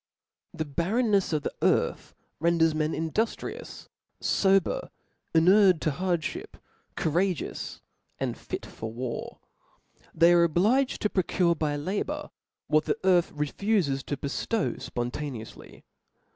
^1r^ H E barreftriefs of xkt earth renders men in •*' duftrious, fober, inured to hardfhip, cou rageousj and fit for War ; they are obliged to pro tuvt by labour what the earth refufes to beftoW Ipontaneoufly.